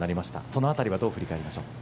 その辺りはどう振り返りましょう？